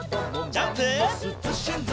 ジャンプ！